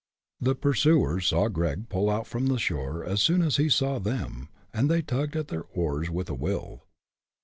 The pursuers saw Gregg pull out from the shore as soon as he saw them; and they tugged at their oars with a will.